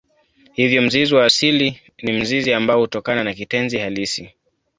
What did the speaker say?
Hivyo mzizi wa asili ni mzizi ambao hutokana na kitenzi halisi.